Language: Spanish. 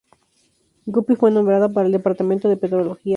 Guppy fue nombrada para el Departamento de Petrología.